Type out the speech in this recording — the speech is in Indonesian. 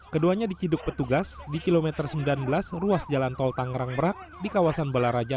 keduanya diciduk petugas di kilometer sembilan belas ruas jalan tol tangerang merak di kawasan balaraja